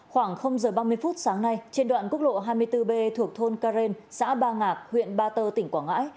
khoảng giờ ba mươi phút sáng nay trên đoạn quốc lộ hai mươi bốn b thuộc thôn caren xã ba ngạc huyện ba tơ tỉnh quảng ngãi